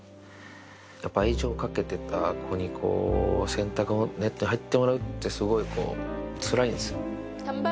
やっぱ愛情かけてた子に、洗濯ネットに入ってもらうって、すごいつらいんですよね。